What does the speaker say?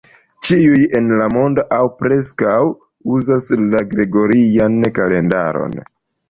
Ĉiuj en la mondo, aŭ preskaŭ, uzas la gregorian kalendaron.